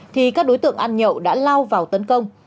thì các đối tượng ăn nhậu đã lao vào tấn công